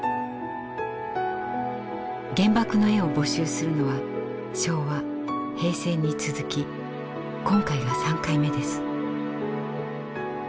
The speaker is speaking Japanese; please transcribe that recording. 「原爆の絵」を募集するのは昭和・平成に続き今回が３回目です。